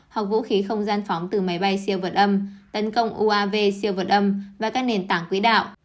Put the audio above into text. hoặc vũ khí không gian phóng từ máy bay siêu vượt âm tấn công uav siêu vật âm và các nền tảng quỹ đạo